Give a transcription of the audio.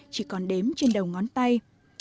chỉ còn đếm trên đầu ngón tay